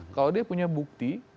kalau dia punya bukti